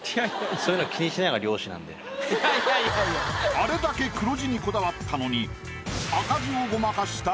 あれだけ黒字にこだわったのに。